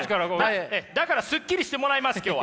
だからスッキリしてもらいます今日は。